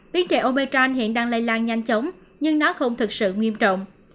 biến thể omicron hiện đang lây lan nhanh chóng nhưng nó không thực sự nghiêm trọng